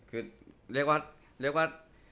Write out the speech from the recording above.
คือเรียกว่าเรียกว่า